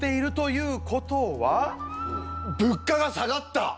物価が下がった！